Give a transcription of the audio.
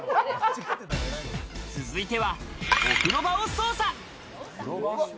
続いてはお風呂場を捜査！